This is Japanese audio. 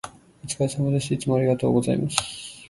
お疲れ様です。いつもありがとうございます。